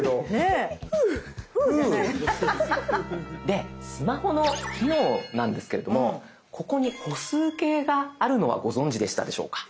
でスマホの機能なんですけれどもここに歩数計があるのはご存じでしたでしょうか？